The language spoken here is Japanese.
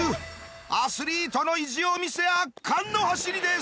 アスリートの意地を見せ圧巻の走りです。